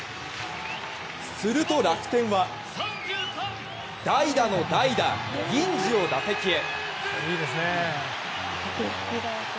すると楽天は代打の代打銀次を打席へ。